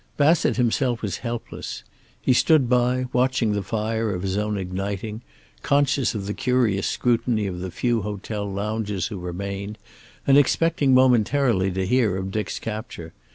Bassett himself was helpless. He stood by, watching the fire of his own igniting, conscious of the curious scrutiny of the few hotel loungers who remained, and expecting momentarily to hear of Dick's capture.